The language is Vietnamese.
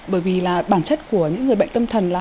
bởi vì là bản chất của những người bệnh tâm thần là